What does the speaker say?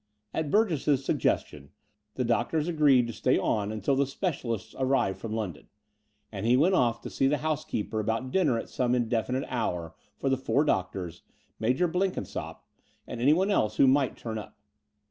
At Burgess's suggestion the doctors agreed to stay on until the specialists arrived from London; and he went off to see the housekeeper about dinner at some indefinite hour for the four doctors, Major Blenkinsopp, and anyone else who might turn up.